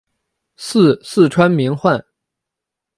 祀四川名宦。